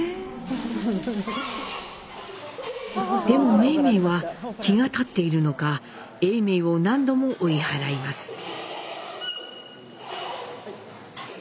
でも梅梅は気が立っているのか永明を何度も追い払います。